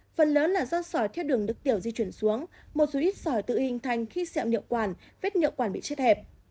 phần lớn là do sỏi theo đường đức tiểu di chuyển xuống một số ít sỏi tự hình thành khi xẹo niệu quản vết niệu quản bị chết hẹp